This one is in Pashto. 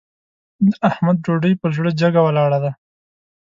د احمد ډوډۍ پر زړه جګه ولاړه ده.